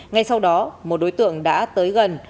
ngay sau đó một đối tượng đã tới gần